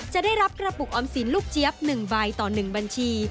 จะได้รับกระปุกออมสินลูกเจี๊ยบ๑ใบต่อ๑บัญชี